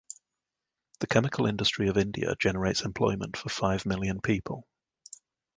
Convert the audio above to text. The chemical industry of India generates employment for five million people.